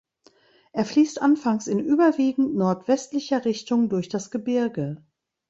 Er fließt anfangs in überwiegend nordwestlicher Richtung durch das Gebirge.